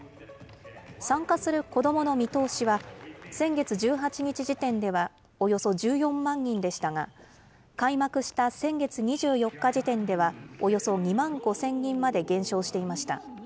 参加する子どもの見通しは、先月１８日時点ではおよそ１４万人でしたが、開幕した先月２４日時点では、およそ２万５０００人まで減少していました。